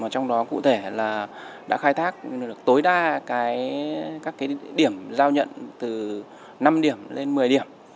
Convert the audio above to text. trong đó cụ thể là đã khai thác được tối đa các điểm giao nhận từ năm điểm lên một mươi điểm